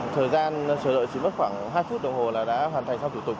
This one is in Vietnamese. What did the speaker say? thời gian chờ đợi chỉ mất khoảng hai phút đồng hồ là đã hoàn thành xong thủ tục